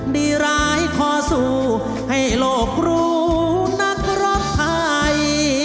ดีร้ายขอสู้ให้โลกรู้นักรักไทย